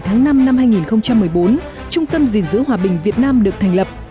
hai mươi bảy tháng năm năm hai nghìn một mươi bốn trung tâm dình dữ hòa bình việt nam được thành lập